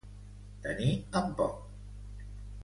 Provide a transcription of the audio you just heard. Tenir en poc.